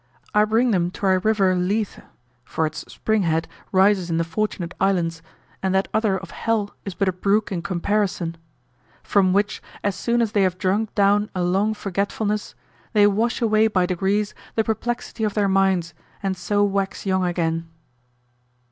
I bring them to our River Lethe (for its springhead rises in the Fortunate Islands, and that other of hell is but a brook in comparison), from which, as soon as they have drunk down a long forgetfulness, they wash away by degrees the perplexity of their minds, and so wax young again.